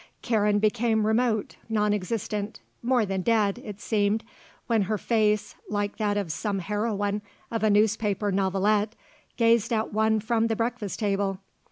Karen became remote, non existent, more than dead, it seemed, when her face, like that of some heroine of a newspaper novelette, gazed at one from the breakfast table.